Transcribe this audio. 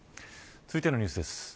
続いてのニュースです。